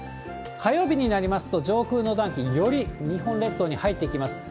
火曜日になりますと、上空の暖気、より日本列島に入ってきます。